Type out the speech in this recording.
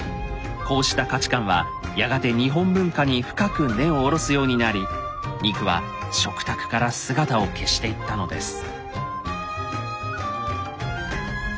こうした価値観はやがて日本文化に深く根をおろすようになり肉は食卓から姿を消していったのです。